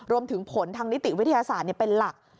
รวมถึงผลทางนิติวิทยาศาสตร์เป็นหลัก